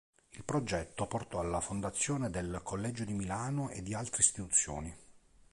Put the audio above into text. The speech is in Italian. Il progetto portò alla fondazione del Collegio di Milano e di altri istituzioni.